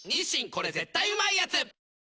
これ絶対うまいやつ」